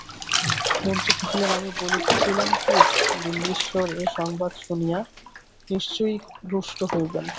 মন্ত্রী কহিলেন, আমি বলিতেছিলাম কি, দিল্লীশ্বর এ সংবাদ শুনিয়া নিশ্চয়ই রুষ্ট হইবেন।